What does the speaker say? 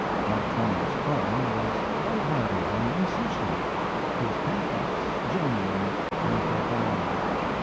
Mark Twain's fun was light hearted and insouciant, his pathos genuine and profound.